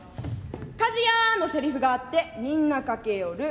「カズヤ！」のセリフがあってみんな駆け寄る。